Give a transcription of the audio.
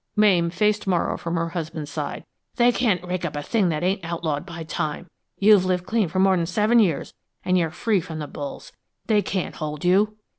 Mame faced Morrow from her husband's side. "They can't rake up a thing that ain't outlawed by time. You've lived clean more'n seven years, an' you're free from the bulls. They can't hold you."